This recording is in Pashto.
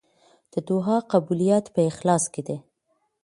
د دعا قبولیت په اخلاص کې دی.